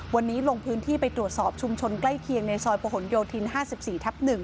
วันนี้ลงพื้นที่ไปตรวจสอบชุมชนใกล้เคียงในซอยประหลโยธิน๕๔ทับ๑